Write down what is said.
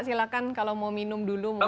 silakan kalau mau minum dulu mungkin